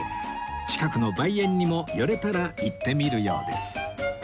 近くの梅園にも寄れたら行ってみるようです